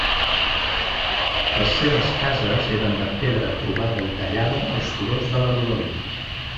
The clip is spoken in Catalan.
Les seves cases eren de pedra trobada i tallada als turons de la rodalia.